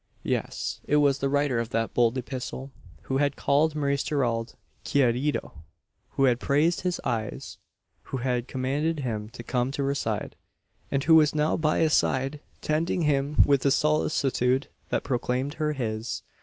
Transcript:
Yes; it was the writer of that bold epistle, who had called Maurice Gerald "querido;" who had praised his eyes who had commanded him to come to her side; and who was now by his side, tending him with a solicitude that proclaimed her his!